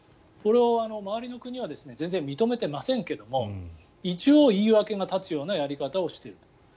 これを周りの国は全然認めてませんけども一応、言い訳が立つようなやり方をしていると。